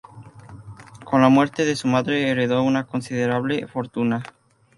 Con la muerte de su madre heredó una considerable fortuna.